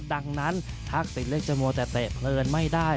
ดังนั้นทักษิณเล็กจะมัวแต่เตะเพลินไม่ได้